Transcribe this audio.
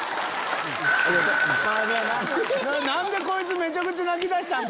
何でこいつめちゃくちゃ泣きだしたん？